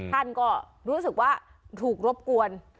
ท่านก็รู้สึกว่าถูกรบกวน